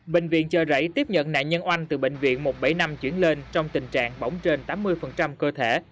bệnh viện chờ rảy tiếp nhận nạn nhân oanh từ bệnh viện một bảy năm chuyển lên trong tình trạng bỏng trên tám mươi cơ thể